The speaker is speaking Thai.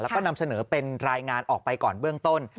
แล้วก็นำเสนอเป็นรายงานออกไปก่อนเบื้องต้น